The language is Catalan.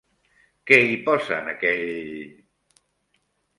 Què hi posa en aquell...?